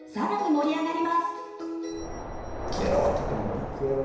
「消えろ」って言ってもらえる？